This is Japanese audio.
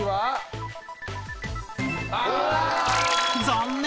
［残念！